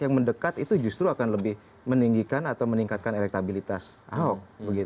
yang mendekat itu justru akan lebih meninggikan atau meningkatkan elektabilitas ahok